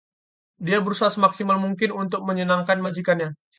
Dia berusaha semaksimal mungkin untuk menyenangkan majikannya.